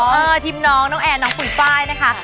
มาทิมน้องน้องแอนน้องฝุ่ยป้ายนะคะ